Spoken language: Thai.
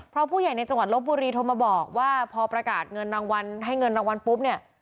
เพราะผู้ใหญ่ในจังหวัดลบบุรีโทรมาบอกว่าพอประกาศเงินรางวัลให้เงินรางวัลปุ๊บเนี่ย